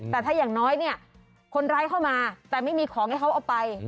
แต่ถ้าอย่างน้อยเนี่ยคนร้ายเข้ามาแต่ไม่มีของให้เขาเอาไป